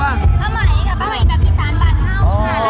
พระไหมค่ะพระไหมแบบอีสานบาทเท่า